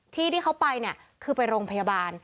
ที่เขาไปเนี่ยคือไปโรงพยาบาล